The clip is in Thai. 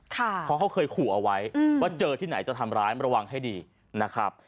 เพราะเขาเคยขู่เอาไว้ว่าเจอที่ไหนจะทำร้ายระวังให้ดีนะครับ